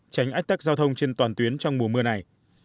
tránh ách tắc giao thông trên toàn tuyến trong mùa mưa này